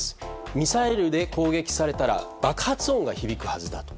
ミサイルで攻撃されたら爆発音が響くはずだと。